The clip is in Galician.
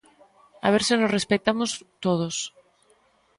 A ver se nos respectamos todos.